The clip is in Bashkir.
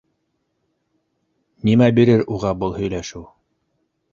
Нимә бирер уға был һөйләшеү?